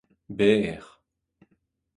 berr